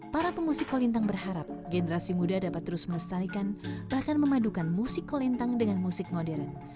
para pemusik kolintang berharap generasi muda dapat terus melestarikan bahkan memadukan musik kolintang dengan musik modern